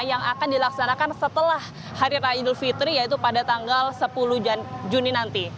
yang akan dilaksanakan setelah hari raya idul fitri yaitu pada tanggal sepuluh juni nanti